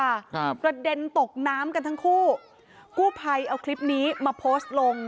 ครับกระเด็นตกน้ำกันทั้งคู่กู้ภัยเอาคลิปนี้มาโพสต์ลง